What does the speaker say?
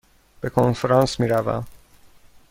به کنفرانس می روم.